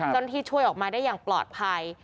ช่วยออกมาได้อย่างปลอดภัย